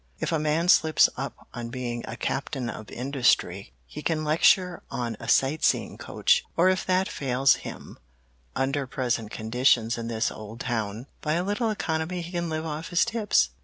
If a man slips up on being a Captain of Industry he can lecture on a sight seeing coach, or if that fails him under present conditions in this old town, by a little economy he can live on his tips."